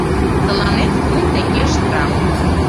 — Тыланет кум теҥге штраф!